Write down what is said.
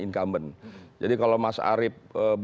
incumbent jadi kalau mas arief